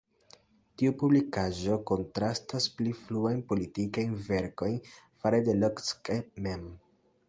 Tiu publikaĵo kontrastas pli fruajn politikajn verkojn fare de Locke mem.